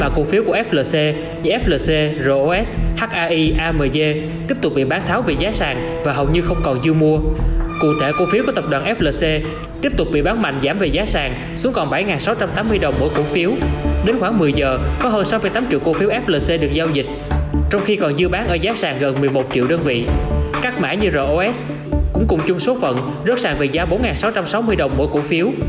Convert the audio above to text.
các mã như ros cũng cùng chung số phận rớt sàn về giá bốn sáu trăm sáu mươi đồng mỗi cổ phiếu